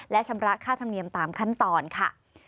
และชำระค่าธรรมเนียมตามขั้นตอนค่ะ